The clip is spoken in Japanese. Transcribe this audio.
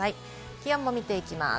気温を見ていきます。